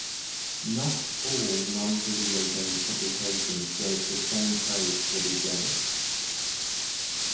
Not all non-video game publications gave the same praise for the game.